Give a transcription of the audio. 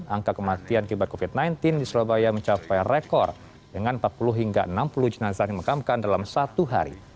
angka kematian kibat covid sembilan belas di surabaya mencapai rekor dengan empat puluh hingga enam puluh jenazah dimakamkan dalam satu hari